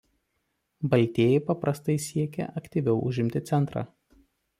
Baltieji paprastai siekia aktyviau užimti centrą.